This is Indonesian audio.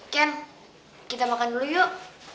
ken kita makan dulu yuk